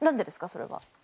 それは。